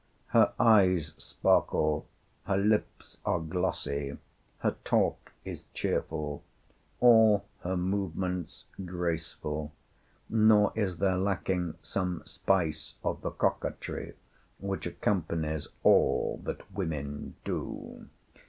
Her eyes sparkle, her lips are glossy, her talk is cheerful, all her movements graceful; nor is there lacking some spice of the coquetry which accompanies all that women do.